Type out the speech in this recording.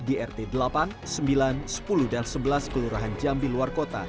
di rt delapan sembilan sepuluh dan sebelas kelurahan jambi luar kota